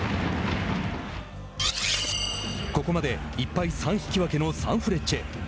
ここまで１敗３引き分けのサンフレッチェ。